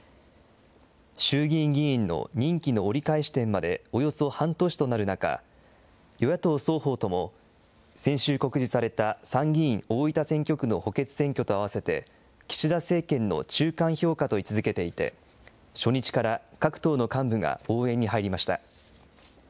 衆議院議員の任期の折り返し点までおよそ半年となる中、与野党双方とも先週告示された参議院大分選挙区の補欠選挙とあわせて、岸田政権の中間評価と位置づけていて、初日から各党の幹部が応援に入りました。